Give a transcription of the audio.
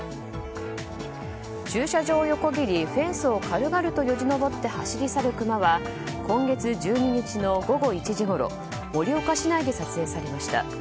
駐車場を横切りフェンスを軽々とよじ登って走り去るクマは今月１２日の午後１時ごろ盛岡市内で撮影されました。